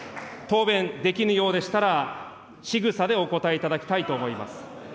答弁できぬようでしたら、しぐさでお答えいただきたいと思います。